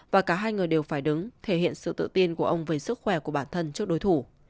và cả hai người đều phải đứng thể hiện sự tự tin của ông về sức khỏe của bản thân trước đối thủ